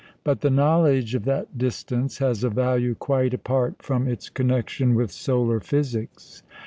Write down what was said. But the knowledge of that distance has a value quite apart from its connection with solar physics.